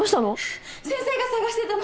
先生が捜してたの！